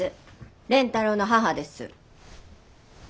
蓮太郎の母です。